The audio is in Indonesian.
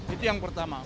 itu yang pertama